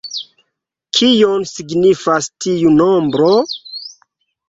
Kion signifas tiu nombro?